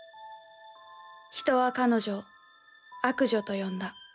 人は彼女を悪女と呼んだ。